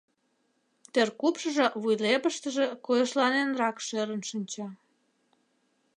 Теркупшыжо вуйлепыштыже койышланенрак шӧрын шинча.